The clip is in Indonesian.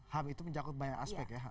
ham itu mencakup banyak aspek ya